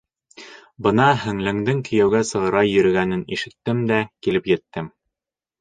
Бына һеңлеңдең кейәүгә сығырға йөрөгәнен ишеттем дә килеп еттем.